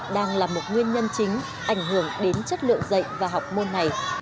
đang là một nguyên nhân chính ảnh hưởng đến chất lượng dạy và học môn này